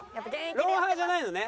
『ロンハー』じゃないのね？